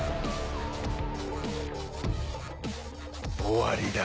終わりだ。